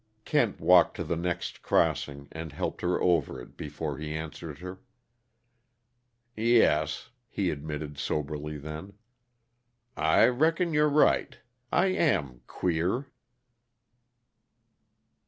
Kent walked to the next crossing and helped her over it before he answered her. "Yes," he admitted soberly then, "I reckon you're right. I am queer."